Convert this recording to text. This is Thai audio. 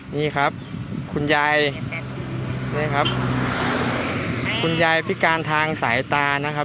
นี่ครับคุณยายนี่ครับคุณยายพิการทางสายตานะครับ